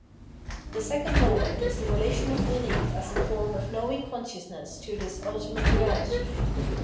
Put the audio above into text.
The second moment is the relation of behef as a form of knowing consciousness to this ultimate Eeahty.